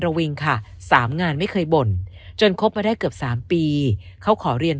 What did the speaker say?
วิงค่ะ๓งานไม่เคยบ่นจนคบมาได้เกือบ๓ปีเขาขอเรียน